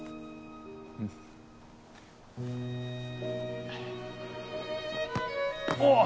うん。おっ！